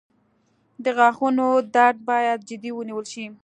• د غاښونو درد باید جدي ونیول شي.